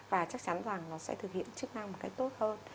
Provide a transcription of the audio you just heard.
và chắc chắn rằng nó sẽ thực hiện chức năng một cách tốt hơn